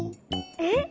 えっ？